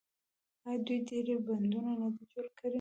آیا دوی ډیر بندونه نه دي جوړ کړي؟